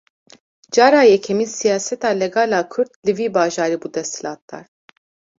Cara yekemîn siyaseta legal a Kurd, li vî bajarî bû desthilatdar